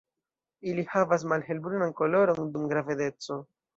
Ili havas malhelbrunan koloron dum gravedeco.